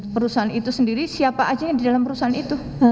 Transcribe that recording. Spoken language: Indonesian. perusahaan itu sendiri siapa aja di dalam perusahaan itu